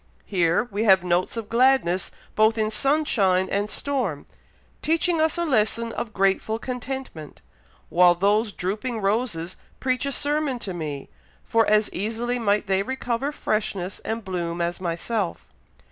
Here we have notes of gladness both in sunshine and storm, teaching us a lesson of grateful contentment, while those drooping roses preach a sermon to me, for as easily might they recover freshness and bloom as myself.